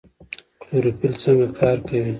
کلوروفیل څنګه کار کوي؟